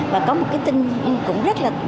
và có một cái tin cũng rất là